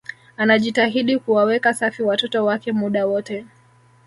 anajitahidi kuwaweka safi watoto wake muda wote